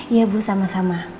ya bu sama sama